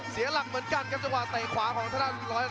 เสียหลักเหมือนกันครับจะวางไต่ขวาครับท่านรอยล้านครับ